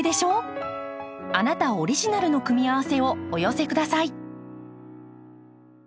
あなたオリジナルの組み合わせをお寄せ下さい。